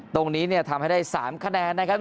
ตรงนี้เนี่ยทำให้ได้๓คะแนนนะครับ